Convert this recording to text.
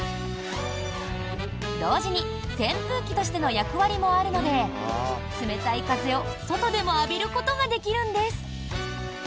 同時に扇風機としての役割もあるので冷たい風を外でも浴びることができるんです。